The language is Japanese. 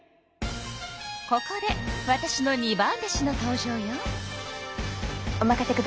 ここでわたしの二番弟子の登場よ。